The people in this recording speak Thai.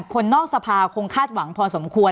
คนนอกสภาคงคาดหวังพอสมควร